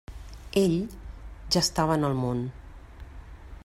«Ell» ja estava en el món.